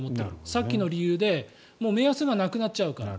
さっきの理由で目安がなくなっちゃうから。